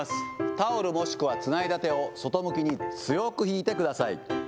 タオル、もしくはつないだ手を外向きに強く引いてください。